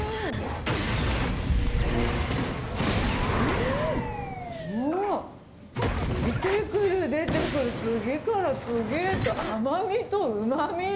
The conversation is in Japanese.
うん！出てくる出てくる、次から次へと甘みとうまみ。